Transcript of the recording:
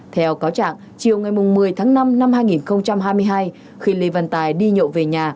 theo cáo trạng chiều ngày một mươi tháng năm năm hai nghìn hai mươi hai khi lê văn tài đi nhậu về nhà